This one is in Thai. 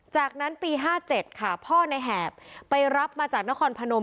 จากนั้นปี๕๗ค่ะพ่อในแหบไปรับมาจากนครพนม